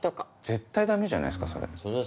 絶対ダメじゃないですかそれ。